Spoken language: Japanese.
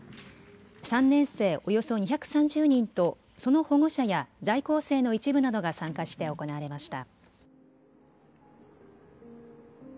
３年生、およそ２３０人とその保護者や在校生の一部などが参加して行われました。